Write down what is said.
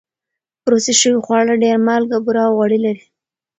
پروسس شوي خواړه ډېر مالګه، بوره او غوړي لري.